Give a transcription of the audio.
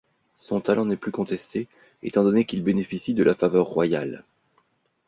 Son talent n'est plus contesté étant donné qu'il bénéficie de la faveur royale.